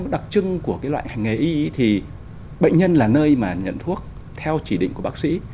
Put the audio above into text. đặc trưng của cái loại hành nghề y thì bệnh nhân là nơi mà nhận thuốc theo chỉ định của bác sĩ